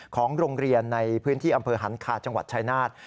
ของโรงเรียนในพื้นที่อำเภอหันคาจังหวัดชายนาฏ